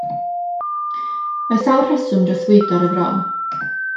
Mae sawl rheswm dros fwydo ar y fron.